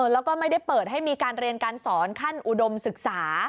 แล้วก็ไม่ได้เปิดให้มีการเรียนการสอนขั้นอุดมศึกษา